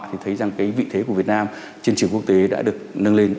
thì thấy rằng cái vị thế của việt nam trên trường quốc tế đã được nâng lên